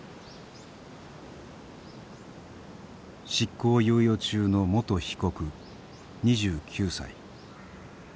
執行猶予中の元被告２９歳。